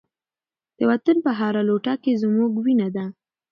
د وطن په هره لوټه کې زموږ وینه ده.